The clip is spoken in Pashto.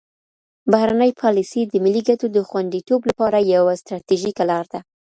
بهرنۍ پالیسي د ملي ګټو د خوندیتوب لپاره یوه ستراتیژیکه لار ده.